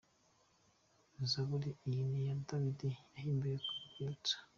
Zaburi iyi ni iya Dawidi, yahimbiwe kuba urwibutso.